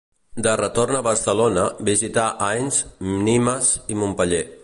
De retorn a Barcelona, visità Ais, Nimes i Montpeller.